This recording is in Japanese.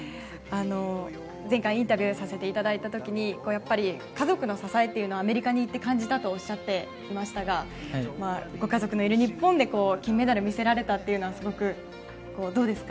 前回インタビューさせていただいた時に家族の支えっていうのをアメリカに行って感じたとおっしゃっていましたがご家族のいる日本で金メダルを見せられたというのはどうですか？